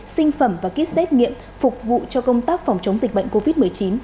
sinh phẩm và kit xét nghiệm phục vụ cho công tác phòng chống dịch bệnh covid một mươi chín